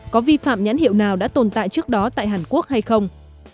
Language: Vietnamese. có vi phạm nhãn hiệu nào đã tồn tại trước đó tại hàn quốc hay không